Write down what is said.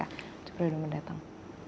untuk periode mendatang